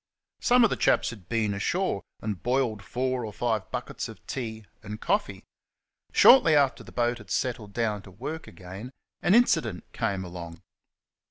Some of the chaps had been ashore and boiled four or five buckets of tea and coffee. Shortly after the boat had settled down to work again an incident came along.